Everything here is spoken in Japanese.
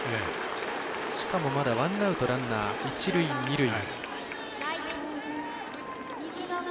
しかも、まだワンアウト、ランナー、一塁二塁。